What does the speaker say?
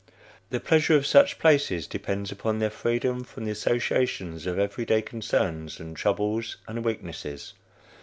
The pleasure of such places depends upon their freedom from the associations of every day concerns and troubles and weaknesses.